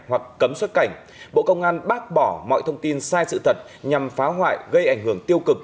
hoặc cấm xuất cảnh bộ công an bác bỏ mọi thông tin sai sự thật nhằm phá hoại gây ảnh hưởng tiêu cực